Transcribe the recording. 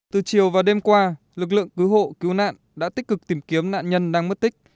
từ chiều và đêm qua lực lượng cứu hộ cứu nạn đã tích cực tìm kiếm nạn nhân đang mất tích